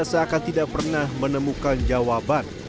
seakan tidak pernah menemukan jawaban